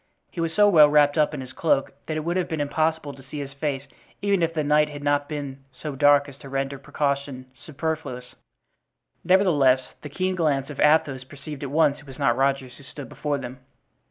He was so well wrapped up in his cloak that it would have been impossible to see his face even if the night had not been so dark as to render precaution superfluous; nevertheless, the keen glance of Athos perceived at once it was not Rogers who stood before them.